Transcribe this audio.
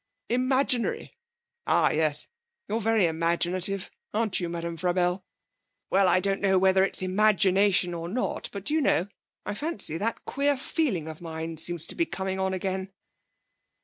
'Imaginary ah, yes. You're very imaginative, aren't you, Madame Frabelle? Well, I don't know whether it's imagination or not, but, do you know, I fancy that queer feeling of mine seems to be coming on again.'